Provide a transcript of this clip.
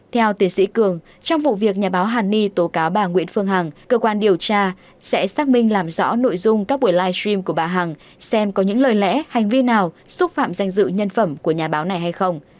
theo tiến sĩ cường trong vụ việc nhà báo hàn ni tố cáo bà nguyễn phương hằng cơ quan điều tra sẽ xác minh làm rõ nội dung các buổi live stream của bà hằng xem có những lời lẽ hành vi nào xúc phạm danh dự nhân phẩm của nhà báo này hay không